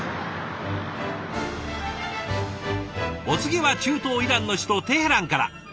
お次は中東イランの首都テヘランから。